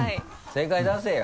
正解出せよ。